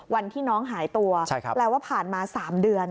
วันที่น้องหายตัวแปลว่าผ่านมา๓เดือน